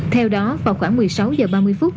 theo đó vào khoảng một mươi sáu h ba mươi phút